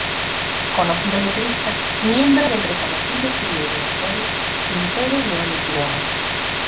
Conocido letrista miembro del reconocido trío de autores Quintero, León y Quiroga.